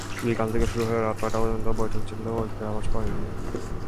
বিকেল থেকে শুরু হয়ে রাত নয়টা পর্যন্ত বৈঠক চললেও ঐক্যের আভাস মেলেনি।